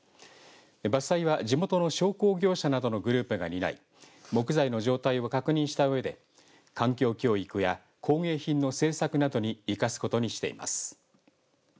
伐採は地元の商工業者などのグループが担い木材の状態を確認した上で環境教育や工芸品の制作などに生かすことにしています。